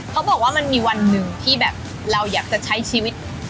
เขาบอกว่ามันมีวันหนึ่งที่แบบเราอยากจะใช้ชีวิต